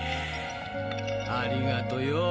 ありがとよ。